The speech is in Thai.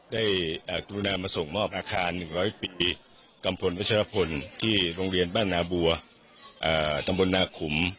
กรุณามาส่งมอบอาคาร๑๐๐ปีกัมพลวัชรพลที่โรงเรียนบ้านนาบัวตำบลนาขุม